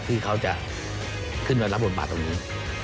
ที่เขาจะขึ้นมารับบทบาทตรงนี้